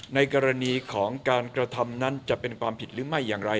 ในกรณีของการกระทำนั้นจะเป็นความผิดหรือไม่อย่างไร